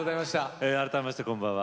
改めましてこんばんは。